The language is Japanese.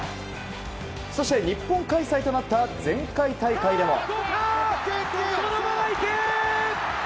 そして日本開催となった前回大会では。